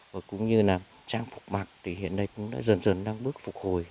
và cũng như là trang phục mặt thì hiện nay cũng đã dần dần đang bước phục hồi